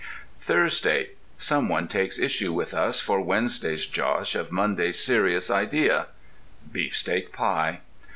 THURSDAY. Some one takes issue with us for Wednesday's josh of Monday's serious idea. (BEEFSTEAK PIE.)